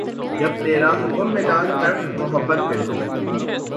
جب ترا حکم ملا ترک محبت کر دی